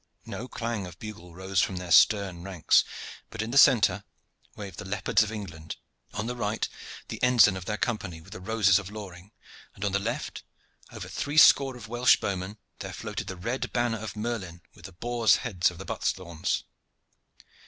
No clang of bugle rose from their stern ranks, but in the centre waved the leopards of England, on the right the ensign of their Company with the roses of Loring, and on the left, over three score of Welsh bowmen, there floated the red banner of Merlin with the boars' heads of the Buttesthorns.